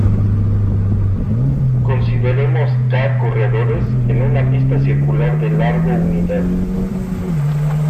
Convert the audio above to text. Consideremos "k" corredores en una pista circular de largo unidad.